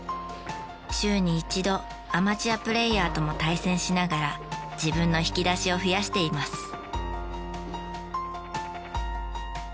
週に一度アマチュアプレーヤーとも対戦しながら自分の引き出しを増やしています。